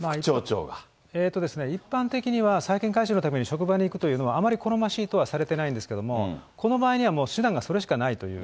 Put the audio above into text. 一般的には債権回収のために職場に行くというのは、あまり好ましいとはされてないんですけれども、この場合には、もう手段がそれしかないという。